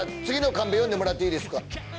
次のカンペ読んでもらっていいですか？